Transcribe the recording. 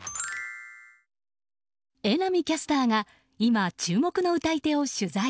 榎並キャスターが今、注目の歌い手を取材。